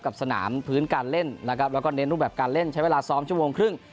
กับสนามพื้นการเล่นนะครับแล้วก็เน้นรูปแบบการเล่นใช้เวลาซ้อมชั่วโมงครึ่ง